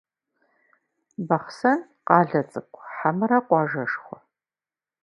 Бахъсэн къалэ цӏыкӏу хьэмэрэ къуажэшхуэ?